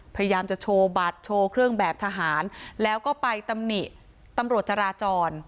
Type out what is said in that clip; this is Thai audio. พยายามจะโชว์บัตรโชว์เครื่องแบบทหารแล้วก็ไปตำหนิตำรวจจราจร